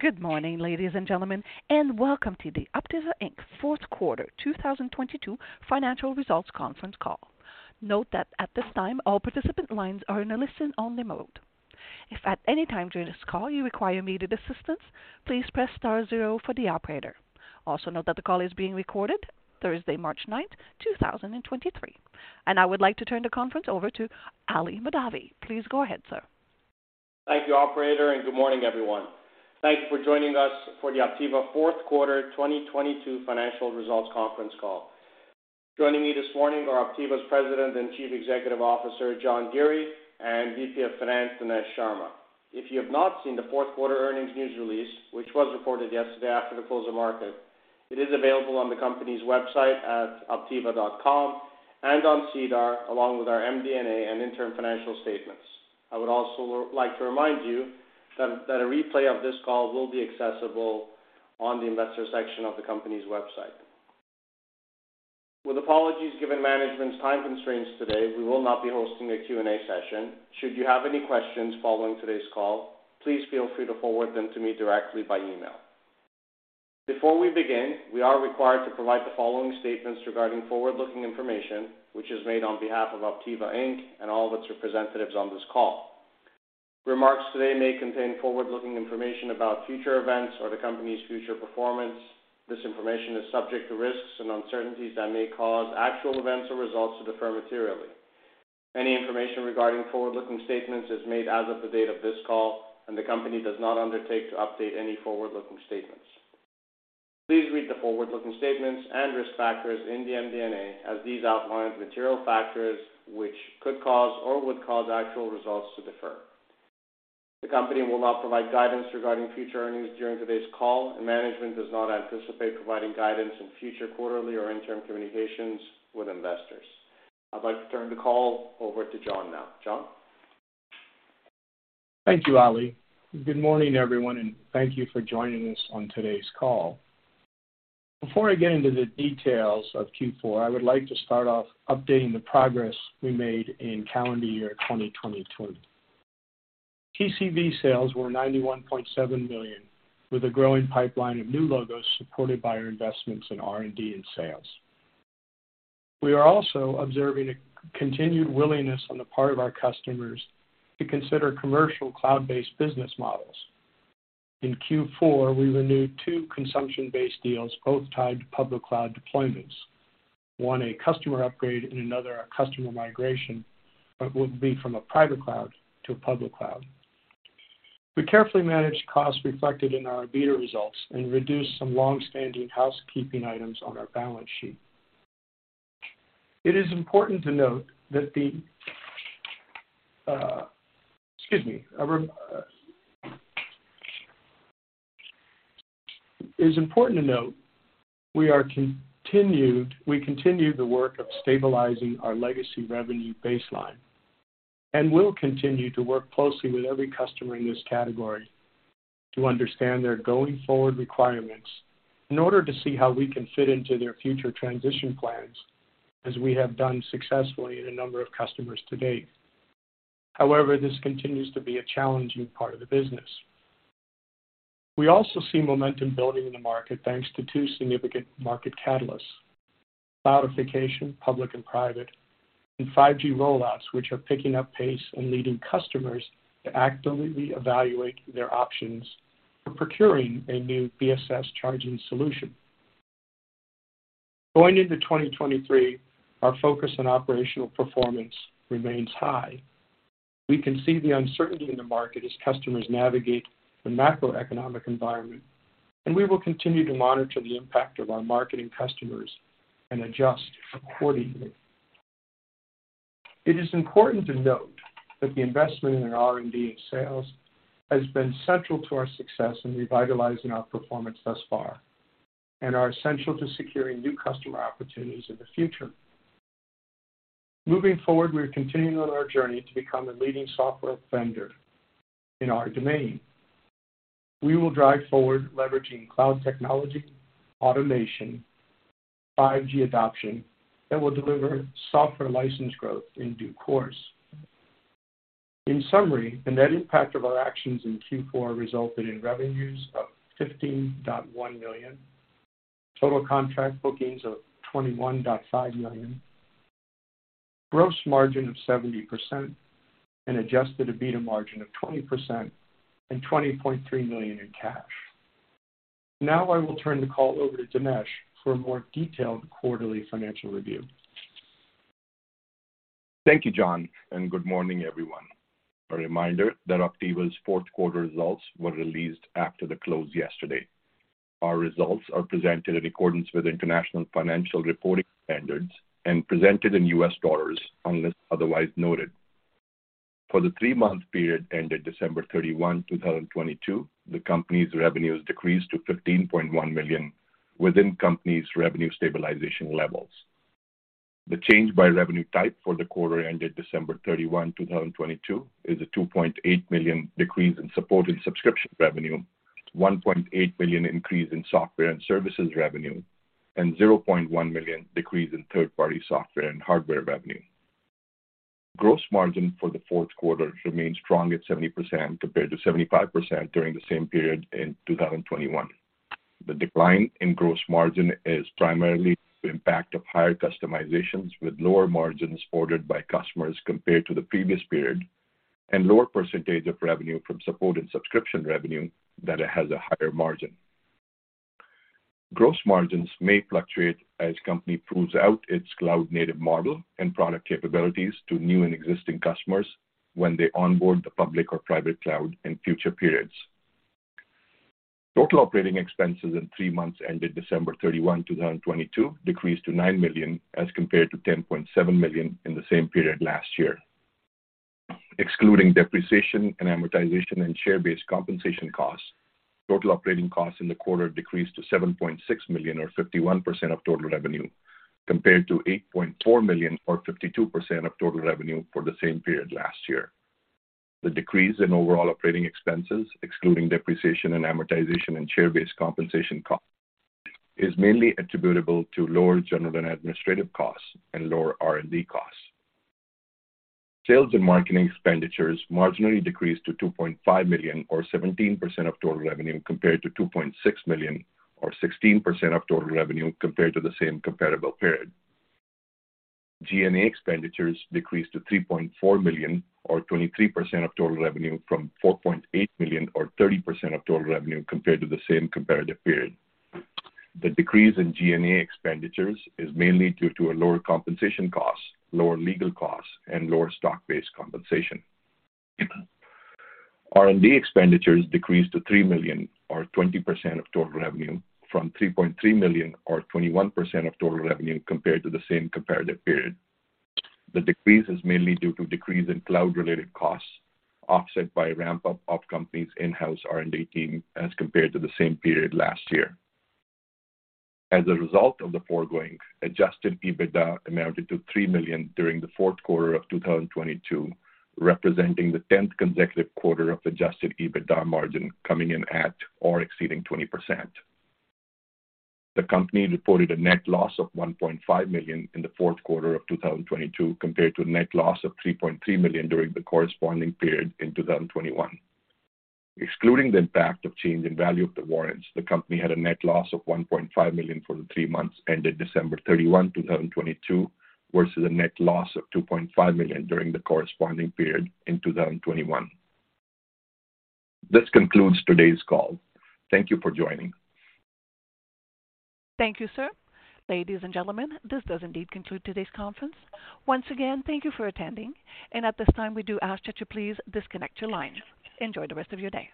Good morning, ladies and gentlemen, and welcome to the Optiva Inc.'s fourth quarter 2022 financial results conference call. Note that at this time, all participant lines are in a listen only mode. If at any time during this call you require immediate assistance, please press star zero for the operator. Also note that the call is being recorded Thursday, March 9th, 2023. I would like to turn the conference over to Ali Mahdavi. Please go ahead, sir. Thank you, operator, and good morning, everyone. Thank you for joining us for the Optiva fourth quarter 2022 financial results conference call. Joining me this morning are Optiva's President and Chief Executive Officer, John Giere, and VP of Finance, Dinesh Sharma. If you have not seen the fourth quarter earnings news release, which was reported yesterday after the close of market, it is available on the company's website at optiva.com and on SEDAR, along with our MD&A and interim financial statements. I would also like to remind you that a replay of this call will be accessible on the investor section of the company's website. With apologies given management's time constraints today, we will not be hosting a Q&A session. Should you have any questions following today's call, please feel free to forward them to me directly by email. Before we begin, we are required to provide the following statements regarding forward-looking information, which is made on behalf of Optiva Inc. and all of its representatives on this call. Remarks today may contain forward-looking information about future events or the company's future performance. This information is subject to risks and uncertainties that may cause actual events or results to differ materially. Any information regarding forward-looking statements is made as of the date of this call, and the company does not undertake to update any forward-looking statements. Please read the forward-looking statements and risk factors in the MD&A as these outline material factors which could cause or would cause actual results to differ. The company will not provide guidance regarding future earnings during today's call, and management does not anticipate providing guidance in future quarterly or interim communications with investors. I'd like to turn the call over to John now. John. Thank you, Ali. Good morning, everyone, and thank you for joining us on today's call. Before I get into the details of Q4, I would like to start off updating the progress we made in calendar year 2022. TCV sales were $91.7 million, with a growing pipeline of new logos supported by our investments in R&D and sales. We are also observing a continued willingness on the part of our customers to consider commercial cloud-based business models. In Q4, we renewed two consumption-based deals, both tied to public cloud deployments. One a customer upgrade and another a customer migration, from a private cloud to a public cloud. We carefully managed costs reflected in our EBITDA results and reduced some long-standing housekeeping items on our balance sheet. It is important to note that the Excuse me. It is important to note we continue the work of stabilizing our legacy revenue baseline and will continue to work closely with every customer in this category to understand their going forward requirements in order to see how we can fit into their future transition plans, as we have done successfully in a number of customers to date. However, this continues to be a challenging part of the business. We also see momentum building in the market, thanks to two significant market catalysts, cloudification, public and private, and 5G rollouts, which are picking up pace and leading customers to actively evaluate their options for procuring a new BSS charging solution. Going into 2023, our focus on operational performance remains high. We can see the uncertainty in the market as customers navigate the macroeconomic environment. We will continue to monitor the impact of our marketing customers and adjust accordingly. It is important to note that the investment in R&D and sales has been central to our success in revitalizing our performance thus far and are essential to securing new customer opportunities in the future. Moving forward, we are continuing on our journey to become a leading software vendor in our domain. We will drive forward leveraging cloud technology, automation, 5G adoption that will deliver software license growth in due course. In summary, the net impact of our actions in Q4 resulted in revenues of $15.1 million, total contract bookings of $21.5 million, gross margin of 70%, an adjusted EBITDA margin of 20%, and $20.3 million in cash. Now I will turn the call over to Dinesh for a more detailed quarterly financial review. Thank you, John. Good morning, everyone. A reminder that Optiva's fourth quarter results were released after the close yesterday. Our results are presented in accordance with international financial reporting standards and presented in US dollars, unless otherwise noted. For the three-month period ended December 31, 2022, the company's revenues decreased to $15.1 million within company's revenue stabilization levels. The change by revenue type for the quarter ended December 31, 2022, is a $2.8 million decrease in support and subscription revenue, $1.8 million increase in software and services revenue, and $0.1 million decrease in third-party software and hardware revenue. Gross margin for the fourth quarter remained strong at 70% compared to 75% during the same period in 2021. The decline in gross margin is primarily the impact of higher customizations with lower margins ordered by customers compared to the previous period, and lower percentage of revenue from support and subscription revenue that it has a higher margin. Gross margins may fluctuate as company proves out its cloud-native model and product capabilities to new and existing customers when they onboard the public or private cloud in future periods. Total operating expenses in 3 months ended December 31, 2022, decreased to $9 million as compared to $10.7 million in the same period last year. Excluding depreciation and amortization and share-based compensation costs, total operating costs in the quarter decreased to $7.6 million or 51% of total revenue, compared to $8.4 million or 52% of total revenue for the same period last year. The decrease in overall operating expenses, excluding depreciation and amortization and share-based compensation costs, is mainly attributable to lower general and administrative costs and lower R&D costs. Sales and marketing expenditures marginally decreased to $2.5 million or 17% of total revenue, compared to $2.6 million or 16% of total revenue compared to the same comparable period. G&A expenditures decreased to $3.4 million or 23% of total revenue from $4.8 million or 30% of total revenue compared to the same comparative period. The decrease in G&A expenditures is mainly due to a lower compensation cost, lower legal costs, and lower stock-based compensation. R&D expenditures decreased to $3 million or 20% of total revenue from $3.3 million or 21% of total revenue compared to the same comparative period. The decrease is mainly due to decrease in cloud-related costs, offset by ramp-up of company's in-house R&D team as compared to the same period last year. As a result of the foregoing, adjusted EBITDA amounted to $3 million during the fourth quarter of 2022, representing the tenth consecutive quarter of adjusted EBITDA margin coming in at or exceeding 20%. The company reported a net loss of $1.5 million in the fourth quarter of 2022 compared to a net loss of $3.3 million during the corresponding period in 2021. Excluding the impact of change in value of the warrants, the company had a net loss of $1.5 million for the three months ended December 31, 2022, versus a net loss of $2.5 million during the corresponding period in 2021. This concludes today's call. Thank you for joining. Thank you, sir. Ladies and gentlemen, this does indeed conclude today's conference. Once again, thank you for attending, and at this time, we do ask that you please disconnect your lines. Enjoy the rest of your day.